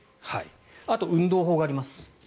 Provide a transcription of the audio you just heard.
あと、運動法があります。